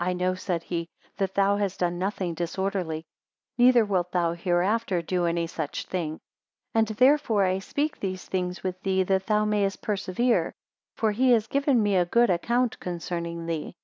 9 I know, said he, that thou hast done nothing disorderly, neither wilt thou hereafter do any such thing, and therefore I speak these things with thee that then mayest persevere; for he has given me a good account concerning thee.